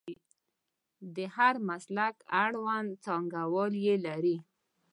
د هر مسلک اړوند څانګوال یې لري.